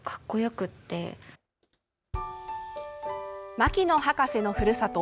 牧野博士のふるさと